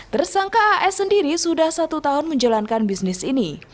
tersangka as sendiri sudah satu tahun menjalankan bisnis ini